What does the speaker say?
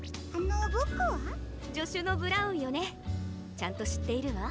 ちゃんとしっているわ。